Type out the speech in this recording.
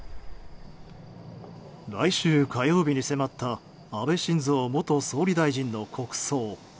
来週火曜日に迫った安倍晋三元総理大臣の国葬。